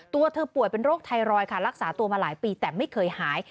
ตัวเธอป่วยเป็นโรคไทรอยด์ค่ะรักษาตัวมาหลายปีแต่ไม่เคยหาย